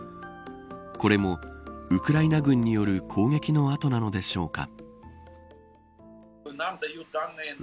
これも、ウクライナ軍による攻撃のあとなのでしょうか。